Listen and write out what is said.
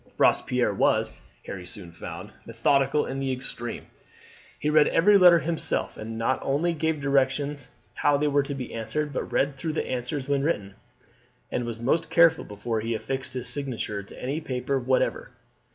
Robespierre was, Harry soon found, methodical in the extreme. He read every letter himself, and not only gave directions how they were to be answered, but read through the answers when written, and was most careful before he affixed his signature to any paper whatever.